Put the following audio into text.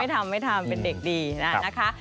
ทำไม่ทำเป็นเด็กดีนะคะ